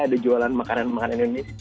ada jualan makanan makanan indonesia